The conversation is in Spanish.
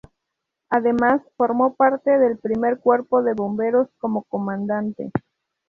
Además formó parte del primer cuerpo de Bomberos como Comandante.